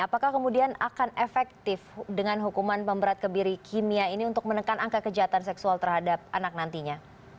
apakah kemudian akan efektif dengan hukuman pemberat kebiri kimia ini untuk menekan angka kejahatan seksual terhadap anak nantinya